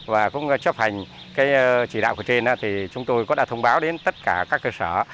và cũng chấp hành cái chỉ đạo của trên thì chúng tôi cũng đã thông báo đến tất cả các cơ sở